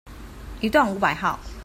一段五百號